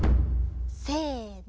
せの。